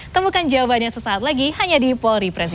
temukan jawabannya sesaat lagi hanya di polri presiden